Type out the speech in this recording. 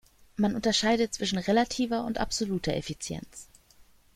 Man unterscheidet zwischen relativer und absoluter Effizienz.